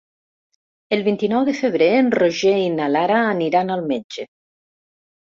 El vint-i-nou de febrer en Roger i na Lara aniran al metge.